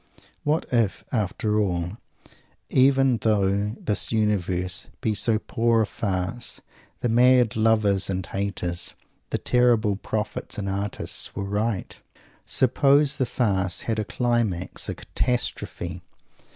What if, after all even though this universe be so poor a farce the mad lovers and haters, the terrible prophets and artists, were right? Suppose the farce had a climax, a catastrophe!